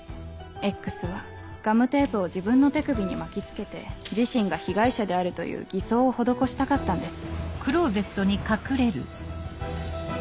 Ｘはガムテープを自分の手首に巻き付けて自身が被害者であるという偽装を施したかったんです。